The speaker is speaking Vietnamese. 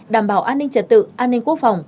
đảm bảo an ninh trật tự an ninh quốc phòng